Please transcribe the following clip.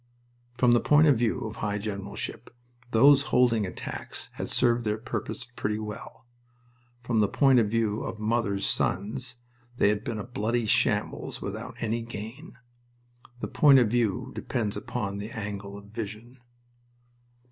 From the point of view of high generalship those holding attacks had served their purpose pretty well. From the point of view of mothers' sons they had been a bloody shambles without any gain. The point of view depends on the angle of vision.